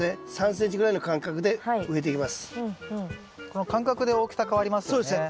この間隔で大きさ変わりますよね。